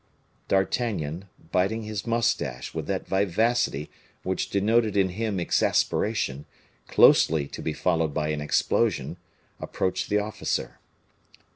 D'Artagnan, biting his mustache with that vivacity which denoted in him exasperation, closely to be followed by an explosion, approached the officer.